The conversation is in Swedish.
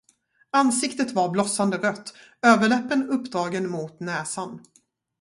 Ansiktet var blossande rött, överläppen uppdragen mot näsan.